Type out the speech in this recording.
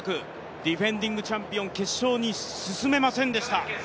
ディフェンディングチャンピオン決勝に進めませんでした。